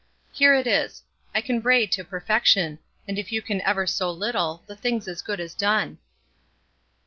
Here it is. I can bray to perfection, and if you can ever so little, the thing's as good as done.